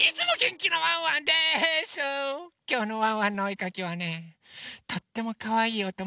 きょうのワンワンのおえかきはねとってもかわいいおともだちです。